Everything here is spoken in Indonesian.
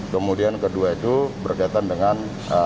kemudian kedua itu berkaitan dengan